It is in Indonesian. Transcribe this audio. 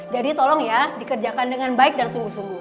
jadi tolong ya dikerjakan dengan baik dan sungguh sungguh